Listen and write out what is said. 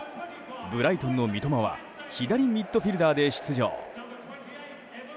ブライトンの三笘は左ミッドフィールダーで出場。